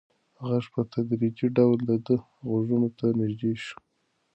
غږ په تدریجي ډول د ده غوږونو ته نږدې شو.